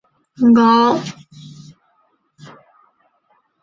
山西忻州人。